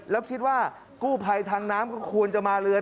แล้วคิดว่ากู้ภัยทางน้ำก็ควรจะมาเรือ